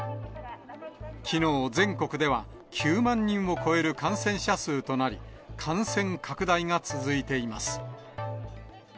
きのう全国では、９万人を超える感染者数となり、感染拡大が続いています。